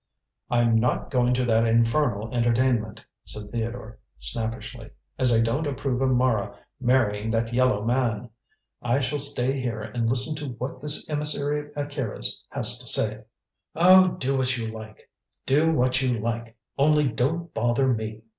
"I'm not going to that infernal entertainment," said Theodore snappishly, "as I don't approve of Mara marrying that yellow man. I shall stay here and listen to what this emissary of Akira's has to say." "Oh, do what you like; do what you like; only don't bother me!"